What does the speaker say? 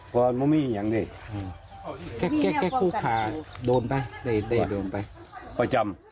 ประจำ